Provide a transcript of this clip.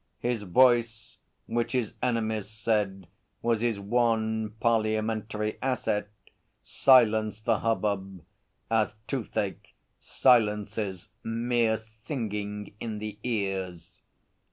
His voice, which his enemies said was his one parliamentary asset, silenced the hubbub as toothache silences mere singing in the ears.